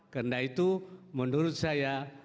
karena itu menurut saya